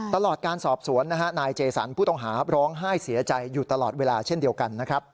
ตลอดการสอบสวนนายเจสันผู้ต้องหาร้องไห้เสียใจอยู่ตลอดเวลาเช่นเดียวกันนะครับ